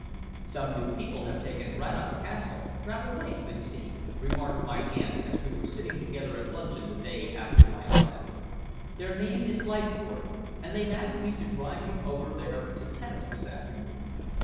"Some new people have taken Rannoch Castle. Rather nice they seem," remarked my aunt as we were sitting together at luncheon the day after my arrival. "Their name is Leithcourt, and they've asked me to drive you over there to tennis this afternoon."